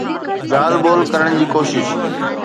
ڳالهه ٻولهه ڪرڻ جي ڪوشش.